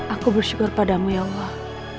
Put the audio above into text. aku bersyukur padamu ya allah